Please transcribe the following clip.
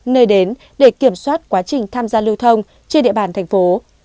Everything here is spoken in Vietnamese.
nơi đến để kiểm soát quá trình tham gia lưu thông trên địa bàn thành phố